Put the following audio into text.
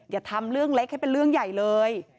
อย่าทำเรื่องเล็กให้เป็นเรื่องใหญ่เลย